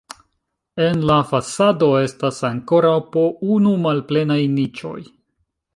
En la fasado estas ankoraŭ po unu malplenaj niĉoj.